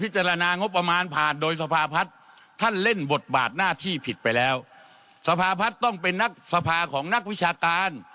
สภาพัฒน์ต้องเป็นสภาของนักวิชาการ